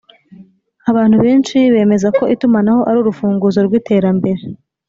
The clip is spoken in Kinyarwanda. abantu benshi bemeza ko itumanaho ari urufunguzo rw’iterambere.